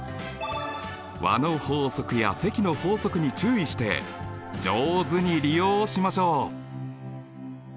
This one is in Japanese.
和の法則や積の法則に注意して上手に利用しましょう。